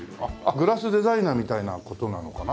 グラスデザイナーみたいな事なのかな？